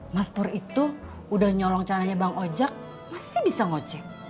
mas pur itu udah nyolong caranya bang ojek masih bisa ngocek